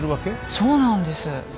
そうなんです。